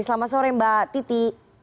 selamat sore mbak titi